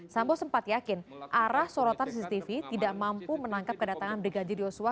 sambo sempat yakin arah sorotan cctv tidak mampu menangkap kedatangan brigadir yosua